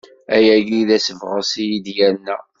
Ayagi d asebɣes i yi-d-yerna.